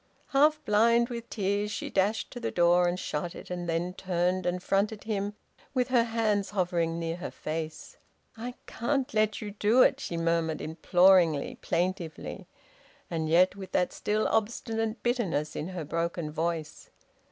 Half blind with tears she dashed to the door and shut it, and then turned and fronted him, with her hands hovering near her face. "I can't let you do it!" she murmured imploringly, plaintively, and yet with that still obstinate bitterness in her broken voice.